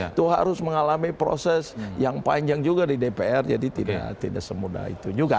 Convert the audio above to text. itu harus mengalami proses yang panjang juga di dpr jadi tidak semudah itu juga